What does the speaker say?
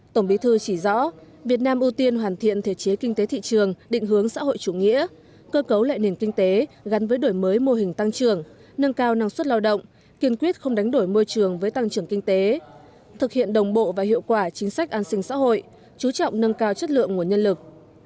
tổng bí thư chỉ rõ việt nam ưu tiên hoàn thiện thể chế kinh tế thị trường định hướng xã hội chủ nghĩa cơ cấu lệ nền kinh tế gắn với đổi mới mô hình tăng trưởng nâng cao năng suất lao động kiên quyết không đánh đổi môi trường với tăng trưởng kinh tế thực hiện đồng bộ và hiệu quả chính sách an sinh xã hội chú trọng nâng cao chất lượng nguồn nhân lực